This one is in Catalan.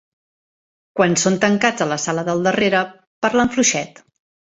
Quan són tancats a la sala del darrere, parlen fluixet.